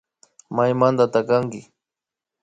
Maymanta kanki